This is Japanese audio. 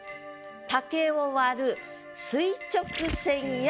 「竹を割る垂直線や」